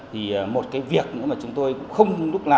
thì một cái việc mà chúng tôi cũng không thể làm được là